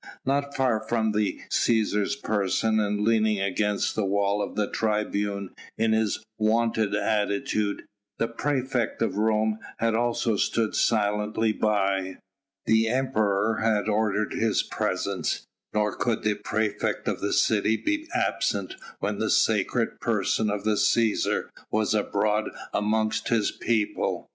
Not far from the Cæsar's person, and leaning against the wall of the tribune in his wonted attitude, the praefect of Rome had also stood silently by. The Emperor had ordered his presence, nor could the praefect of the city be absent when the sacred person of the Cæsar was abroad amongst his people.